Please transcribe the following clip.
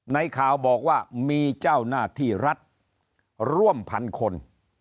ในข่าวบอกว่ามีเจ้าหน้าที่รัฐร่วมพันคน